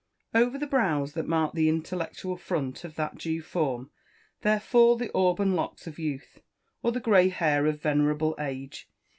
Over the brows that mark the intellectual front of that due form, there fall the auburn locks of youth, or the grey hair of venerable age.